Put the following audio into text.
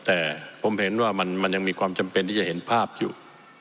แต่ผมเห็นว่ามันยังมีความจำเป็นที่จะเห็นภาพอยู่